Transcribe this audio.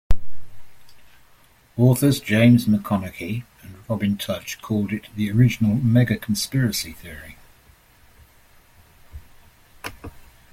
Authors James McConnachie and Robin Tudge called it the original mega-conspiracy theory.